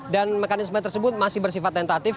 dan mekanisme tersebut masih bersifat tentatif